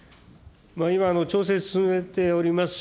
今、調整進めております